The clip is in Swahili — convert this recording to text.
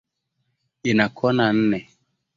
Ina kona nne.